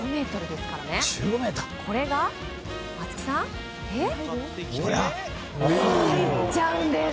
これが松木さん入っちゃうんです。